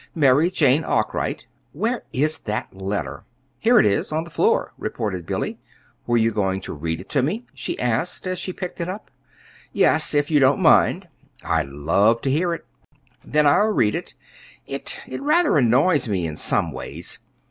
"'Mary Jane Arkwright.' Where is that letter?" "Here it is, on the floor," reported Billy. "Were you going to read it to me?" she asked, as she picked it up. "Yes if you don't mind." "I'd love to hear it." "Then I'll read it. It it rather annoys me in some ways.